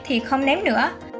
thì không ném nữa